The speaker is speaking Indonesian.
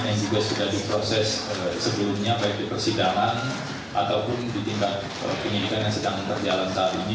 yang juga sudah diproses sebelumnya baik di persidangan ataupun di tingkat penyidikan yang sedang berjalan saat ini